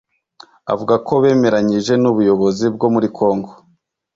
Avuga ko bemeranyije n’ubuyobozi bwo muri Congo